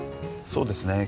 そうですね。